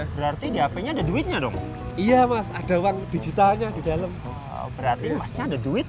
berarti di hp nya ada duitnya dong iya mas ada uang digitalnya di dalam berarti masnya ada duit